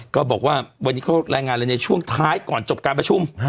ก็บอกว่าวันนี้เขารายงานเลยในช่วงท้ายก่อนจบการประชุม